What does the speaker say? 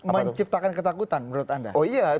menciptakan ketakutan menurut anda